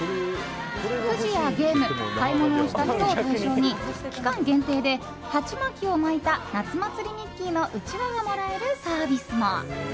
くじやゲーム、買い物をした人を対象に、期間限定で鉢巻きを巻いた夏祭りミッキーのうちわがもらえるサービスも。